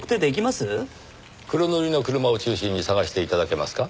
黒塗りの車を中心に探して頂けますか？